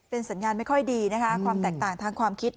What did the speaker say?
สัญญาณไม่ค่อยดีนะคะความแตกต่างทางความคิด